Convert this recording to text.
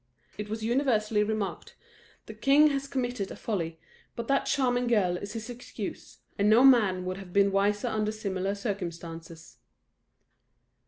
It was universally remarked: "The king has committed a folly, but that charming girl is his excuse, and no man would have been wiser under similar circumstances."